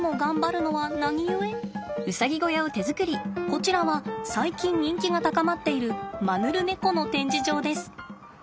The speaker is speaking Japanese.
こちらは最近人気が高まっているマヌルネコの展示場です。